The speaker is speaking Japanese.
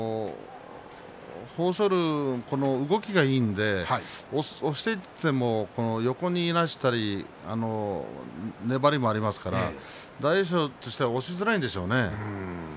豊昇龍は動きがいいので押していっても、横にいなしたり粘りもありますから大栄翔としては押しづらいんでしょうね。